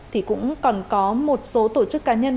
thì cũng còn có một số tổ chức cá nhân